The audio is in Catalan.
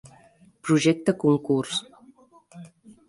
Projecte concurs.